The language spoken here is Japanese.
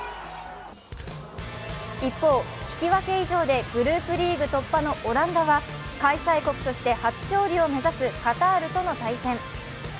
一方、引き分け以上でグループリーグ突破のオランダは開催国として初勝利を目指すカタールとの対戦。